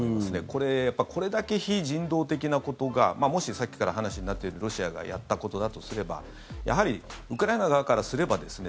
これ、やっぱりこれだけ非人道的なことがもし、さっきから話になっているようにロシアがやったことだとすればやはりウクライナ側からすればですね